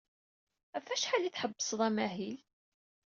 Ɣef wacḥal ay tḥebbsed amahil?